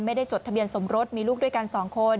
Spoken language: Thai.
ไม่ได้จดทะเบียร์สมรสมีลูกด้วยกันสองคน